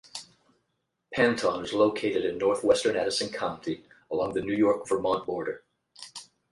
Panton is located in northwestern Addison County, along the New York-Vermont border.